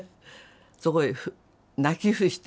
そこへ泣き伏して。